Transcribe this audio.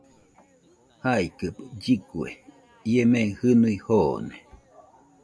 Jaikɨbe lligue, ie mei jɨnui joone.